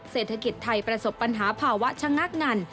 เศรษฐกิจไทยประสบปัญหาภาวะชะงักงัน